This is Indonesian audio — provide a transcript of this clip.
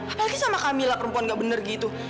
apalagi sama kamila perempuan gak bener gitu